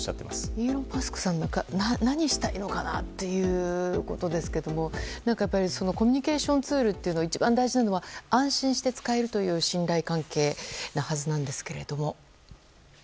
イーロン・マスクさん何したいのかというところですがやっぱりコミュニケーションツールというのは、一番大事なのは安心して使えるという信頼関係のはずなんですけど。